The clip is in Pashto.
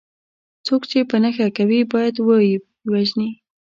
څوک چې په نښه کوي باید وه یې وژني.